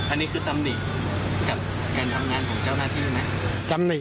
อันนี้คือตำหนิกับการทำงานของเจ้าหน้าที่ไหม